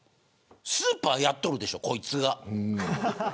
スーパーやっとるでしょこいつが。